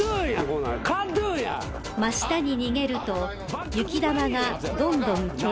［真下に逃げると雪玉がどんどん巨大化］